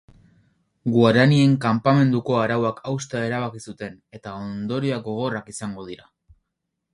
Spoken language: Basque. Guaranien kanpamenduko arauak haustea erabaki zuten eta ondorioak gogorrak izango dira.